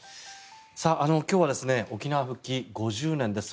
今日は沖縄復帰５０年です。